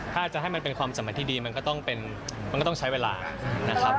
ถ้าจะให้มันเป็นความสำหรับที่ดีมันก็ต้องใช้เวลานะครับผม